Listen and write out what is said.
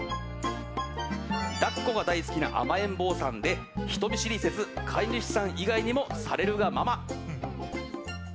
抱っこが大好きな甘えん坊さんで人見知りせず飼い主さん以外にもされるがまま。